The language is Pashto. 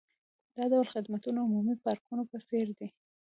دا ډول خدمتونه د عمومي پارکونو په څیر دي